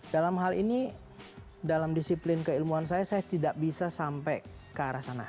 dalam hal ini dalam disiplin keilmuan saya saya tidak bisa sampai ke arah sana